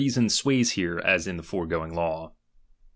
son sways here, as in the foregoing law.